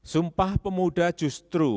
sumpah pemuda justru